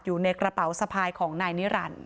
อยู่ในกระเป๋าสะพายของนายนิรันดิ